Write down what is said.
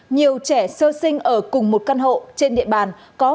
nhiều trẻ sơ sinh ở cùng một căn hộ trên địa bàn